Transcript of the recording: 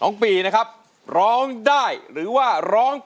ร้องไปกับสายน้ำง